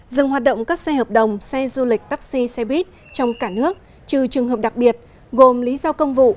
dừng hoạt động các xe hợp đồng xe du lịch taxi xe buýt trong cả nước trừ trường hợp đặc biệt gồm lý do công vụ